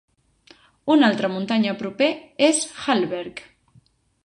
Una altra muntanya propera és Halleberg.